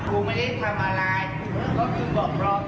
คุณไม่ได้ทำอะไรเพราะคุณบอกรอต่อเนาะ